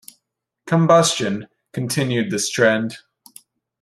"Combustion" continued this trend.